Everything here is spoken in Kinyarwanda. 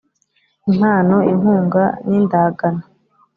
Impano Inkunga n indagano